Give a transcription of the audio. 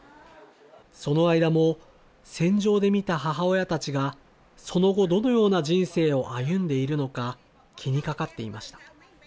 その間も戦場で見た母親たちがその後、どのような人生を歩んでいるのか、気にかかっていました。